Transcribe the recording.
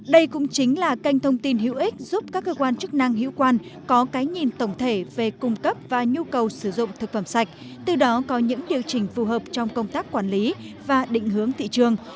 đây cũng chính là kênh thông tin hữu ích giúp các cơ quan chức năng hữu quan có cái nhìn tổng thể về cung cấp và nhu cầu sử dụng thực phẩm sạch từ đó có những điều chỉnh phù hợp trong công tác quản lý và định hướng thị trường